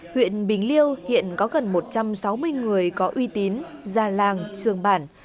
huyện bình liêu hiện có gần một trăm sáu mươi người có uy tín già làng trường bản